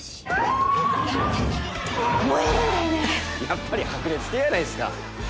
やっぱり白熱系やないですか。